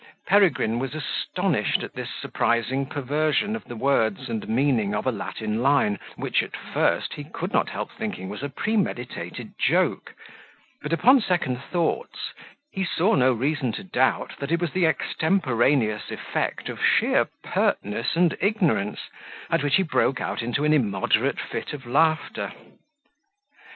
Peregrine was astonished at this surprising perversion of the words and meaning of a Latin line, which, at first, he could not help thinking was a premeditated joke; but, upon second thoughts, he saw no reason to doubt that it was the extemporaneous effect of sheer pertness and ignorance, at which he broke out into an immoderate fit of laughter.